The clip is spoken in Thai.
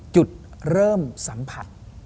จุดเริ่มสัมผัส